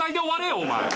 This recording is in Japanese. お前。